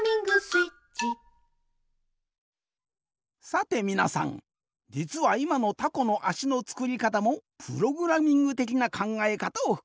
さてみなさんじつはいまのタコのあしのつくりかたもプログラミングてきなかんがえかたをふくんでおる。